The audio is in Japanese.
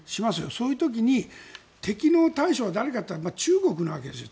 そういう時に敵の大将は誰かというと中国なわけですよ。